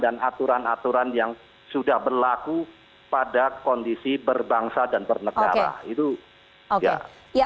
dan aturan aturan yang sudah berlaku pada kondisi berbangsa dan bernegara